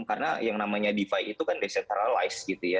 karena yang namanya defi itu kan decentralized gitu ya